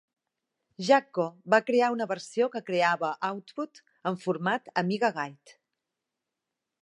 Jacco va crear una versió que creava output en format Amigaguide.